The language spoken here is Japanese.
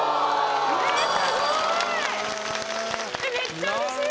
めっちゃうれしい！